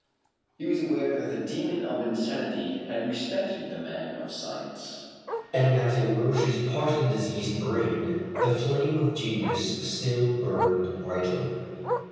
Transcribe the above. He was aware that the demon of insanity had respected the man of science, and that in Roch's partially diseased brain the flame of genius still burned brightly.